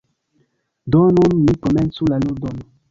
Do nun ni komencu la ludon.